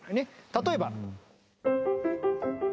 例えば。